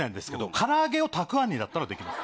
から揚げをたくあんにだったらできます。